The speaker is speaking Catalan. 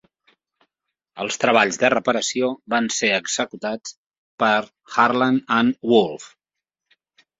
Els treballs de reparació van ser executats per Harland and Wolff.